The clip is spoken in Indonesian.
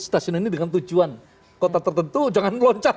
stasiun ini dengan tujuan kota tertentu jangan loncat